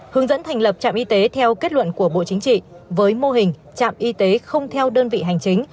hướng dẫn thành lập trạm y tế theo kết luận của bộ chính trị với mô hình trạm y tế không theo đơn vị hành chính